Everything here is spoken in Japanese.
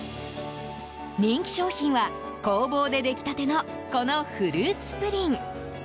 人気商品は、工房でできたてのこのフルーツプリン。